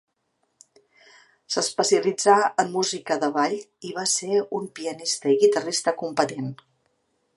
S'especialitzà en música de ball i va ser un pianista i guitarrista competent.